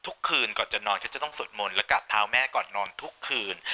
ทุกคืนก่อนจะนอนก็จะต้องสวดมนต์และกราบเท้าแม่ก่อนนอนทุกคืน